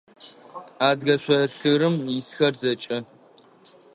Адыгэ шъолъырым исхэр зэкӏэ.